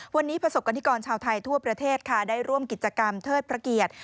วันนี้ประสบกรณิกรชาวไทยทั่วประเทศค่ะได้ร่วมกิจกรรมเทิดพระเกียรติ